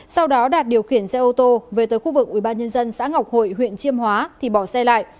sau đó đạt điều khiển xe ô tô về tới khu vực ubnd xã ngọc hội huyện chiêm hóa thì bỏ xe lại